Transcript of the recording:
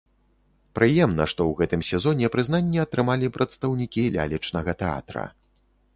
Прыемна, што ў гэтым сезоне прызнанне атрымалі прадстаўнікі лялечнага тэатра.